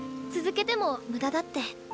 続けても無駄だって。